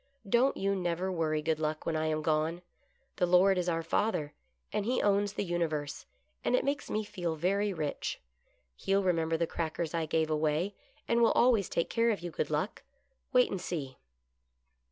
Don't you never worry. Good Luck, when I am gone. The Lord is our Father, and he owns the universe, and it makes me feel very rich. He'll remember the crackers I gave away, and will always take care of you. Good Luck. Wait and see."